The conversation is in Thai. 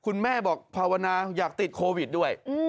คุณแม่บอกภาวนาอยากติดโควิดด้วย